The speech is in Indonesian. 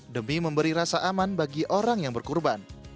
demi memberi rasa aman bagi orang yang berkurban